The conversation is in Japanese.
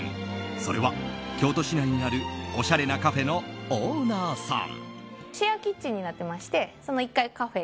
それは、京都市内にあるおしゃれなカフェのオーナーさん。